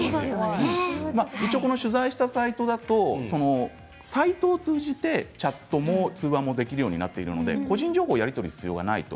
取材したサイトだとサイトを通じてチャットや通話ができるようになっていて個人情報のやり取りが必要がないと。